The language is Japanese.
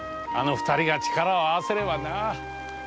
あの二人が力を合わせればな。